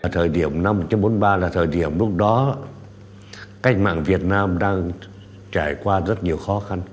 thời điểm năm một nghìn chín trăm bốn mươi ba là thời điểm lúc đó cách mạng việt nam đang trải qua rất nhiều khó khăn